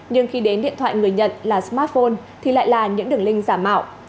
nhưng khi đến điện thoại người nhận là smartphone thì lại là những đường link giả mạo